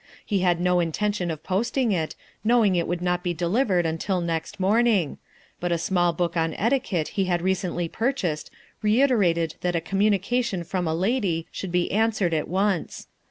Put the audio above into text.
He had no intention of posting it, knowing it would not be delivered until next morning, but a small book on etiquette he had recently purchased reit erated that a communication from a lady should be answered at once.